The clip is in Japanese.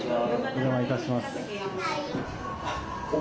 お邪魔いたします。